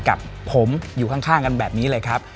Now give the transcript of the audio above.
กับผมอยู่ข้างกันแบบนี้เลยครับ